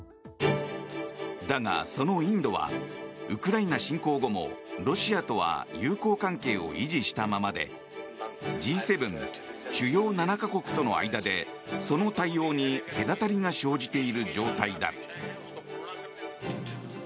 だが、そのインドはウクライナ侵攻後もロシアとは友好関係を維持したままでＧ７・主要７か国との間でその対応に隔たりが生じている状態だ。